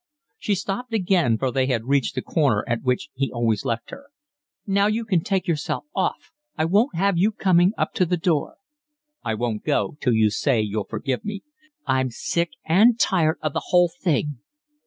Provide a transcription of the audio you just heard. She stopped again, for they had reached the corner at which he always left her. "Now you can take yourself off. I won't have you coming up to the door." "I won't go till you say you'll forgive me." "I'm sick and tired of the whole thing."